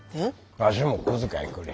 ワシも小遣いくれ。